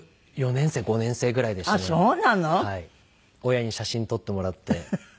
親に写真撮ってもらって庭で。